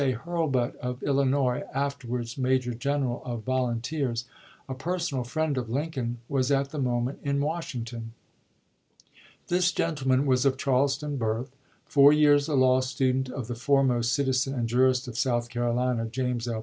Hurlbut, of Illinois (after wards Major General of Volunteers), a personal friend of Lincoln, was at the moment in Washing ton. This gentleman was of Charleston birth, four years a law student of the foremost citizen and jurist of South Carolina, James L.